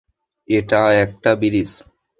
এটা একটা ব্রিজ।